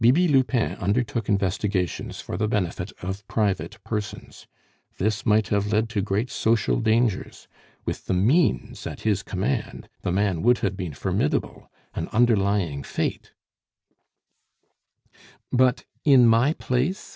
Bibi Lupin undertook investigations for the benefit of private persons. This might have led to great social dangers. With the means at his command, the man would have been formidable, an underlying fate " "But in my place?"